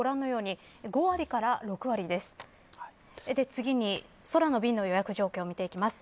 次に空の便の予約状況です。